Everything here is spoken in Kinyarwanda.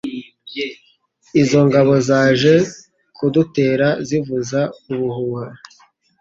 izo ngabo zaje kudtera zivuza ubuhuha